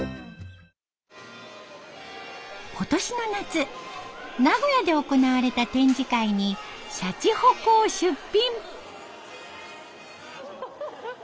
今年の夏名古屋で行われた展示会にしゃちほこを出品。